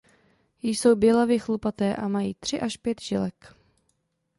Jsou bělavě chlupaté a mají tři až pět žilek.